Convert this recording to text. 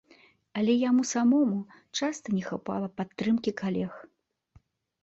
Але яму самому часта не хапала падтрымкі калег.